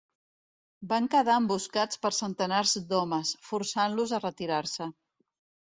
Van quedar emboscats per centenars d'homes, forçant-los a retirar-se.